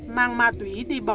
mang ma túy điện thoại